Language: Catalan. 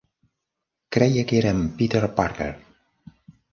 Creia que era en Peter Parker.